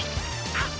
あっ！